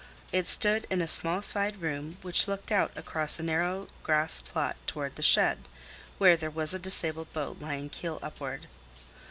It stood in a small side room which looked out across a narrow grass plot toward the shed, where there was a disabled boat lying keel upward.